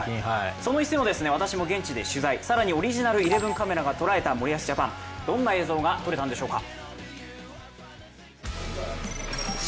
その一戦を私も現地で取材、更にオリジナルイレブンカメラで捉えた森保ジャパン、どんな映像が撮れたんでしょうか。